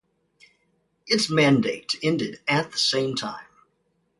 Its mandate ended at the same time.